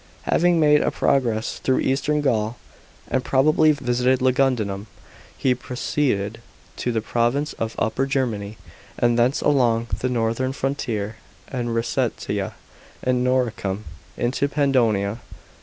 Having made a progress through eastern Gaul, and probably visited Lugudunum, he pro ceeded to the province of Upper Germany, and thence along the northern frontier of Rsetia and Noricum, into Pannonia.